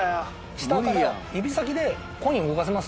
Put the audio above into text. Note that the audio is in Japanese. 下から指先でコイン動かせます？